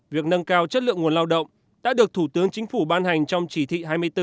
việc nâng cao chất lượng nguồn lao động đã được thủ tướng chính phủ ban hành trong chỉ thị hai mươi bốn